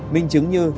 minh chứng như